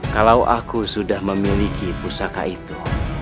kalau aku sudah memiliki pusaka itu